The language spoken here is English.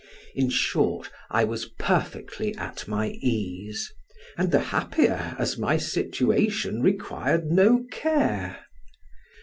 In short, I was perfectly at my ease, and the happier as my situation required no care.